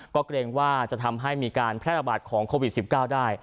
ก็เกรงว่าจะทำให้มีการแพร่ระบาดของโควิด๑๙ได้